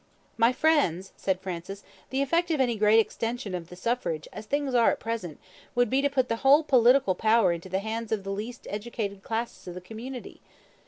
"My friends," said Francis, "the effect of any great extension of the suffrage, as things are at present, would be to put the WHOLE political power into the hands of the least educated classes of the community."